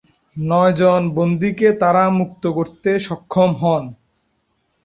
নয়জন বন্দীকে তারা মুক্ত করতে সক্ষম হন।